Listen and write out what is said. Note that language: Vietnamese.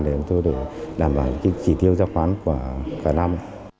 để chúng tôi đảm bảo chỉ thiếu giác khoán của cả năm